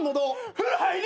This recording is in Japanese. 風呂入り！